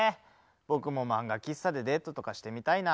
僕も漫画喫茶でデートとかしてみたいな。